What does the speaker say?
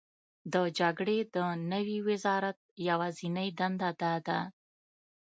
د جګړې د نوي وزرات یوازینۍ دنده دا ده: